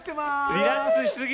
リラックスしすぎ。